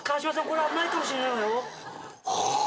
これ危ないかもしんないわよ。